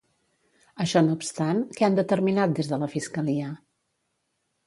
Això no obstant, què han determinat des de la Fiscalia?